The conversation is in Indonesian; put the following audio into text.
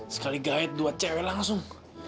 sekali guide dua cewek langsung